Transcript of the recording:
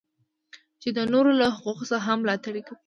چې د نورو له حقوقو څخه هم ملاتړ کوي.